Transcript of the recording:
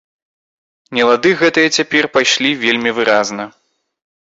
Нелады гэтыя цяпер пайшлі вельмі выразна.